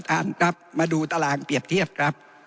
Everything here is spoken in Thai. ถ้ามาดูตารางเปรียบเทียบครับ